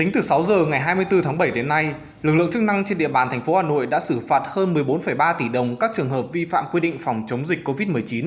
từ tháng bảy đến nay lực lượng chức năng trên địa bàn thành phố hà nội đã xử phạt hơn một mươi bốn ba tỷ đồng các trường hợp vi phạm quy định phòng chống dịch covid một mươi chín